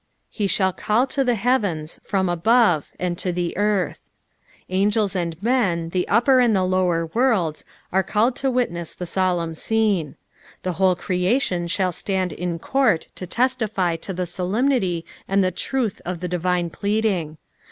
"He shall eaU to the beaten* from aoote, and to the earih." Angels aud men, the upper and the lower worlds, are called to witness the aokmn scene. The whole creation shall stand in court to testify to the solemnity and the truth of the divine pleading.